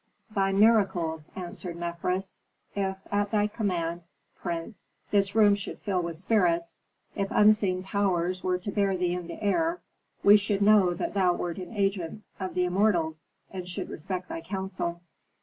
"By miracles," answered Mefres. "If, at thy command, prince, this room should fill with spirits, if unseen powers were to bear thee in the air, we should know that thou wert an agent of the immortals, and should respect thy counsel."